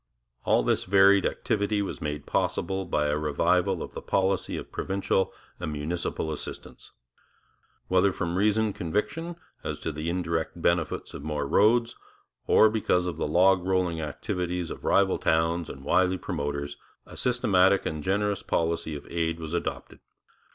All this varied activity was made possible by a revival of the policy of provincial and municipal assistance. Whether from reasoned conviction as to the indirect benefits of more roads, or because of the log rolling activities of rival towns and wily promoters, a systematic and generous policy of aid was adopted.